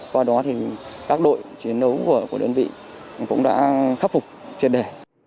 qua đó thì các đội chiến đấu của đơn vị cũng đã khắc phục triệt đề